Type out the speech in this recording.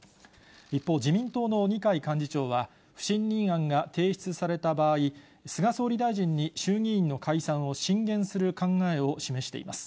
一方、自民党の二階幹事長は、不信任案が提出された場合、菅総理大臣に衆議院の解散を進言する考えを示しています。